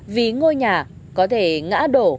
vì ngôi nhà có thể ngã đổ